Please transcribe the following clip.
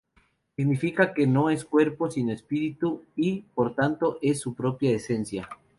Significa que no es cuerpo sino espíritu y, por tanto, es su propia esencia.